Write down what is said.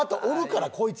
こいつが。